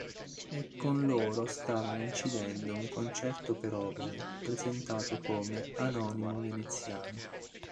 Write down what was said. E con loro stava incidendo un concerto per oboe, presentato come "Anonimo veneziano".